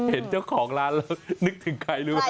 เห็นเจ้าของร้านรึม็นึกถึงใครรู้หรือว่า